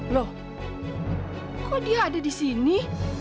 loh kok dia ada di sini